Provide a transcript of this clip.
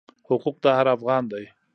حقوق د هر افغان دی.